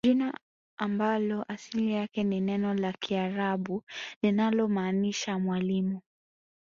Jina ambalo asili yake ni neno la kiarabu linalomaanisha mwalimu